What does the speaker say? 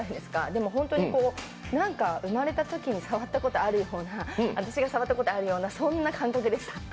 でも本当に何か、生まれたときに触ったことあるような私が触ったことあるようなそんな感覚でした。